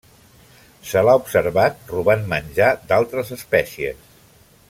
Se l'ha observat robant menjar d'altres espècies.